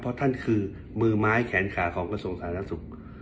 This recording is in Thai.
เพราะท่านคือมือไม้แขนขาของกระทรวงสาธารณสุข